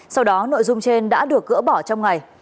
sau đó nội dung trên đã được gỡ bỏ trong ngày